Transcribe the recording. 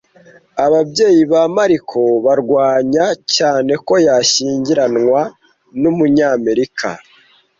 Ababyeyi ba Mariko barwanya cyane ko yashyingiranwa n’umunyamerika.